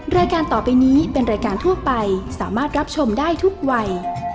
รายการต่อไปนี้เป็นรายการทั่วไปสามารถรับชมได้ทุกวัย